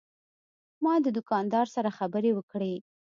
ما د دوکاندار سره خبرې وکړې.